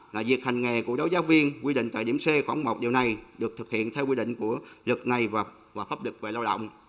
là việc hành nghề của đối giáo viên quy định tại điểm c khoảng một điều này được thực hiện theo quy định của luật này và pháp lực về lao động